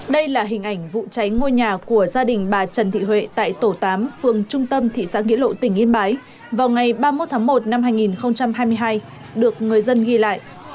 đây là hình ảnh vụ cháy ngôi nhà của gia đình bà trần thị huệ tại tổ tám phường trung tâm thị xã nghĩa lộ tỉnh yên bái vào ngày ba mươi một tháng một năm hai nghìn hai mươi hai được người dân ghi lại